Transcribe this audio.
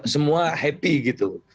semua happy gitu